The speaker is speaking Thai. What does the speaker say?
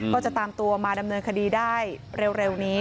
ก็จะตามตัวมาดำเนินคดีได้เร็วนี้